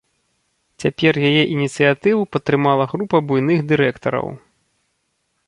Цяпер яе ініцыятыву падтрымала група буйных дырэктараў.